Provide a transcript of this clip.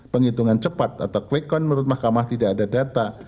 penghitungan cepat atau kwekon menurut mahkamah tidak ada data